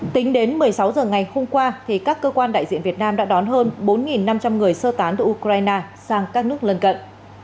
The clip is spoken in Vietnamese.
tính đến một mươi sáu h ngày hôm qua các cơ quan đại diện việt nam đã đón hơn bốn năm trăm linh người sơ tán từ ukraine sang các nước lân cận